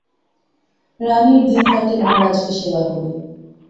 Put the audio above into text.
রাণীর দিন কাটে মহারাজকে সেবা করে।